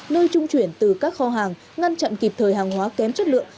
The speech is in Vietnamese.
nơi trung chuyển từ các kho hàng ngăn chặn kịp thời hàng hóa kém chất lượng